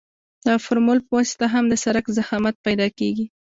د فورمول په واسطه هم د سرک ضخامت پیدا کیږي